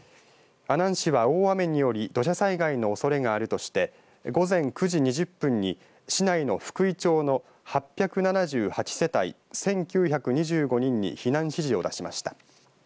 阿南市は大雨により土砂災害のおそれがあるとして午前９時２０分に市内の福井町の８７８世帯１９２５人に避難指示を出しました。